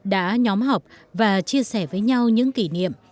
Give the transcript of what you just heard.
đã nhóm học và chia sẻ với nhau những kỷ niệm